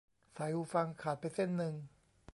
สายหูฟังขาดไปเส้นนึง :'